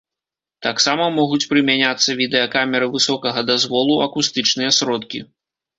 Таксама могуць прымяняцца відэакамеры высокага дазволу, акустычныя сродкі.